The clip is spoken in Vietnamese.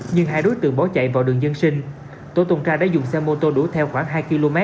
nhưng hai đối tượng bỏ chạy vào đường dân sinh tổ tuần tra đã dùng xe mô tô đuổi theo khoảng hai km